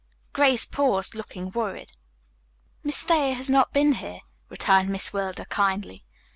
Grace paused, looking worried. "Miss Thayer has not been here," returned Miss Wilder kindly.